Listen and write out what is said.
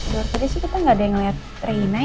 di luar tadi sih kan gak ada yang liat rena ya